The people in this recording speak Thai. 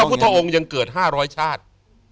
พระพุทธองค์ยังเกิด๕๐๐ชาติ